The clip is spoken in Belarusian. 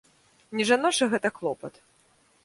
Не жаночы гэта клопат.